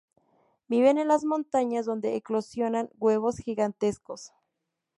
Viven en las montañas donde eclosionan huevos gigantescos.